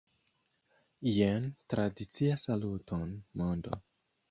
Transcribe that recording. Jen tradicia Saluton, mondo!